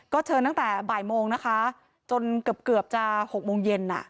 เชิญตั้งแต่บ่ายโมงนะคะจนเกือบจะ๖โมงเย็น